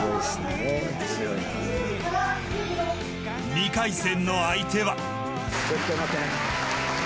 ２回戦の相手は。